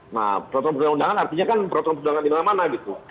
nah peraturan perundang undangan artinya kan peraturan perundangan di mana mana gitu